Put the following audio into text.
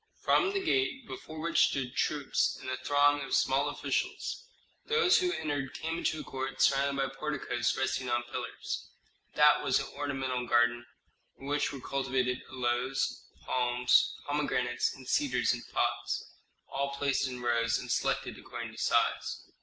From the gate, before which stood troops and a throng of small officials, those who entered came into a court surrounded by porticos resting on pillars. That was an ornamental garden, in which were cultivated aloes, palms, pomegranates, and cedars in pots, all placed in rows and selected according to size.